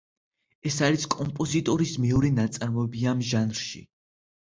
ეს არის კომპოზიტორის მეორე ნაწარმოები ამ ჟანრში.